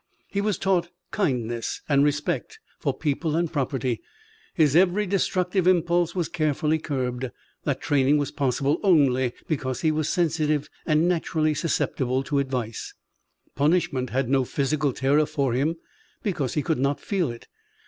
He was taught kindness and respect for people and property. His every destructive impulse was carefully curbed. That training was possible only because he was sensitive and naturally susceptible to advice. Punishment had no physical terror for him, because he could not feel it.